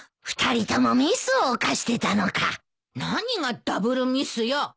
２人ともミスを犯してたのか何がダブルミスよ。